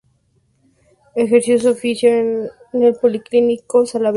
Ejerció su oficio en el Policlínico Salaberry, en la ciudad de Junín.